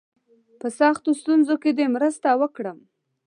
په سختو ستونزو کې دي مرسته وکړم.